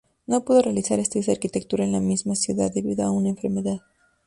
No pudo realizar estudios de Arquitectura en la misma ciudad debido a una enfermedad.